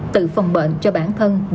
tự phòng bệnh cho bản thân gia đình